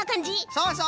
そうそう！